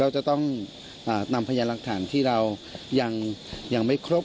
เราจะต้องนำพยายามรักฐานที่เรายังไม่ครบในสรรค์สารชั้นต้นต่อไปครับ